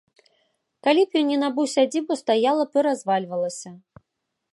Калі б ён не набыў сядзібу, стаяла бы і развальвалася.